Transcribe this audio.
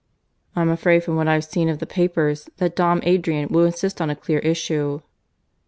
"I am afraid, from what I've seen of the papers, that Dom Adrian will insist on a clear issue."